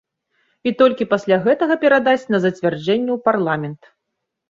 І толькі пасля гэтага перадасць на зацвярджэнне ў парламент.